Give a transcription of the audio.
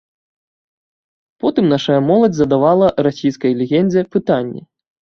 Потым нашая моладзь задавала расійскай легендзе пытанні.